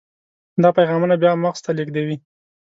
دا پیغامونه بیا مغز ته لیږدوي.